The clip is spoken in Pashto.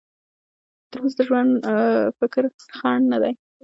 ترموز د ژور فکر خنډ نه دی.